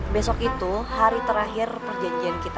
besok itu hari terakhir perjanjian kita